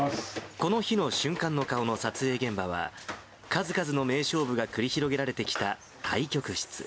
この日の瞬間の顔の撮影現場は、数々の名勝負が繰り広げられてきた対局室。